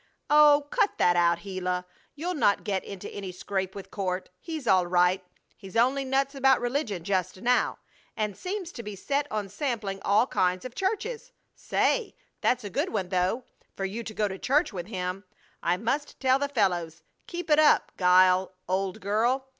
"Oh, cut that out, Gila! You'll not get into any scrape with Court. He's all right. He's only nuts about religion just now, and seems to be set on sampling all kinds of churches. Say! that's a good one, though, for you to go to church with him! I must tell the fellows. Keep it up, Guile, old girl!